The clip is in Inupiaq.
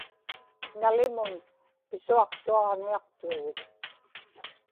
nalimun pisuaqtuaġniaqtuguk